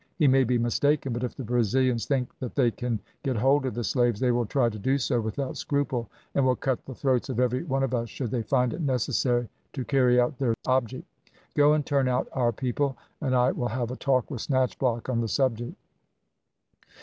"He may be mistaken, but if the Brazilians think that they can get hold of the slaves they will try to do so without scruple, and will cut the throats of every one of us should they find it necessary to carry out their object. Go and turn out our people, and I will have a talk with Snatchblock on the subject."